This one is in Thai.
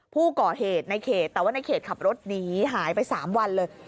ผู้ก่อเหตุในเขตแต่ว่าในเขตขับรถหนีหายไป๓วันเลย